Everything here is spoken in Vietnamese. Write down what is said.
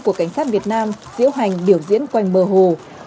của cảnh sát việt nam diễu hành biểu diễn quanh bờ hồ